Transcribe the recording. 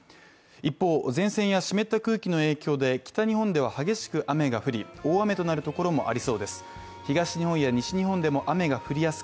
一方、前線や湿った空気の影響で北日本では激しく雨が降り、大雨となるところもありそうです。